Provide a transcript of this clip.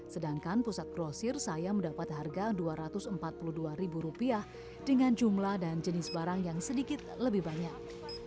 sedangkan pusat grosir saya mendapat harga rp dua ratus empat puluh dua dengan jumlah dan jenis barang yang sedikit lebih banyak